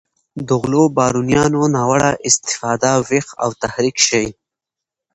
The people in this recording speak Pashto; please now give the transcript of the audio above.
د غلو بارونیانو ناوړه استفاده ویښ او تحریک شي.